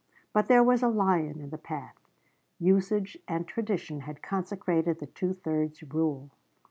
But there was a lion in the path. Usage and tradition had consecrated the two thirds rule.